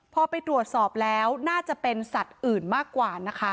พอไปตรวจสอบแล้วน่าจะเป็นสัตว์อื่นมากกว่านะคะ